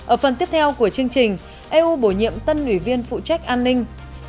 ở phần tiếp theo của chương trình eu bổ nhiệm tân ủy viên phụ trách an ninh